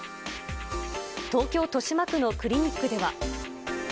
東京・豊島区のクリニックでは。